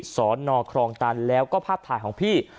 สอนอครองตันแล้วก็ภาพถ่ายของพี่